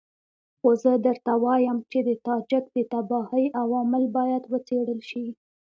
خو زه درته وایم چې د تاجک د تباهۍ عوامل باید وڅېړل شي.